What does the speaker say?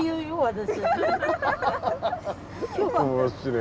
私。